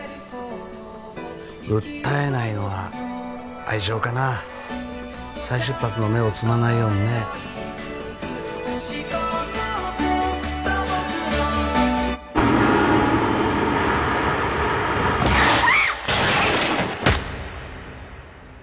訴えないのは愛情かな再出発の芽を摘まないようにねキャー！